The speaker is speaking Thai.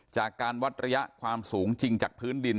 จากการวัดระยะความสูงจริงจากพื้นดิน